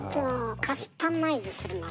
カスタマイズするのね。